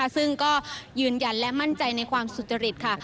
ซึ่งก็ยืนยันและมั่นใจในความสุจริตค่ะ